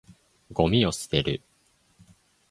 ゴミを捨てる。